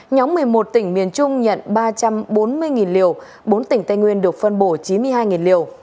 nhóm một mươi một tỉnh miền trung nhận ba trăm bốn mươi liều bốn tỉnh tây nguyên được phân bổ chín mươi hai liều